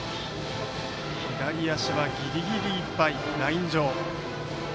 左足はギリギリいっぱいライン上。